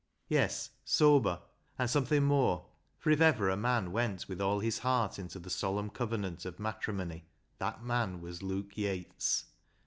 Yes, sober and something more, for if ever a man went with all his heart into the solemn covenant of matrimony that man was Luke Yates.